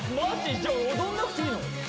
じゃあ踊んなくていいの？